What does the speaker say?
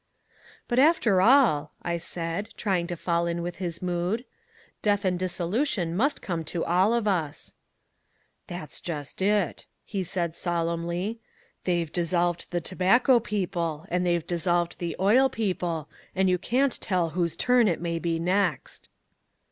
"But after all," I said, trying to fall in with his mood, "death and dissolution must come to all of us." "That's just it," he said solemnly. "They've dissolved the tobacco people, and they've dissolved the oil people and you can't tell whose turn it may be next."